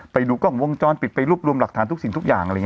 ไปดูกล้องวงจ้อนปิดไปรูปรวมหลักฐานทุกสิ่งทุกอย่าง